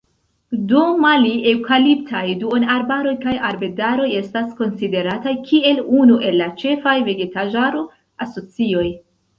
Do mali-eŭkaliptaj duonarbaroj kaj arbedaroj estas konsiderataj kiel unu el la ĉefaj vegetaĵaro-asocioj.